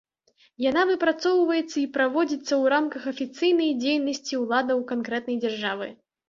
Яна выпрацоўваецца і праводзіцца ў рамках афіцыйнай дзейнасці ўладаў канкрэтнай дзяржавы.